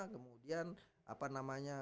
kemudian apa namanya